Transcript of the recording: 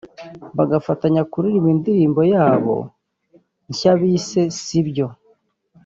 bagafatanya kuririmba indirimbo yabo nshya bise ‘Sibyo’